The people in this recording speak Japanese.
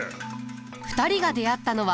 ２人が出会ったのは。